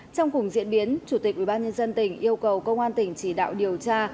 trong cùng diễn biến chủ tịch ubnd tỉnh yêu cầu công an tỉnh chỉ đạo điều tra